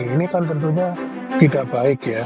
ini kan tentunya tidak baik ya